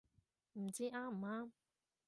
唔知啱唔啱